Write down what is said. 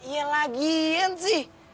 ya lagian sih